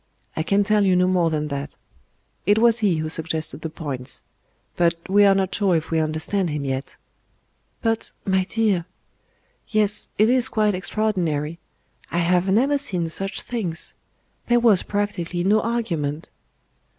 I can tell you no more than that. It was He who suggested the points. But we are not sure if we understand Him yet." "But, my dear " "Yes; it is quite extraordinary. I have never seen such things. There was practically no argument."